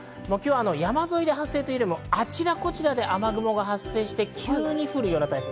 山沿いで発生というよりもあちこちで雨雲が発生して急に降るようなタイプ。